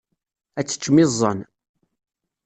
Ad teččem iẓẓan.